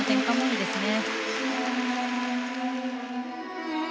いいですね